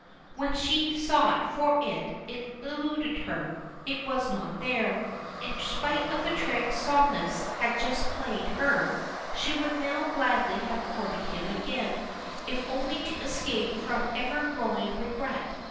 when she sought for it, it eluded her it was not there. In spite of the trick Somnus had just played her, she would now gladly have courted him again, if only to escape from ever growing regret.